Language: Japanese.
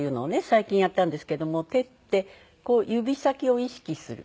最近やったんですけども手って指先を意識する。